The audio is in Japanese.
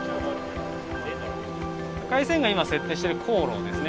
赤い線が今設定してる航路ですね。